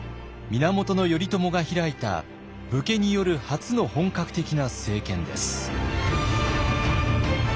源頼朝が開いた武家による初の本格的な政権です。